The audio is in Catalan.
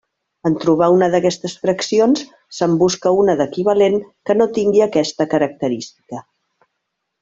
En trobar una d'aquestes fraccions, se'n busca una d'equivalent que no tingui aquesta característica.